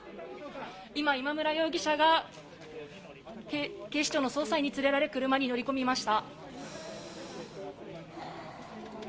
今、今村容疑者が、警視庁の捜査員に連れられ、車に乗り込みました。